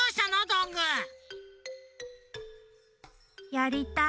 やりたい。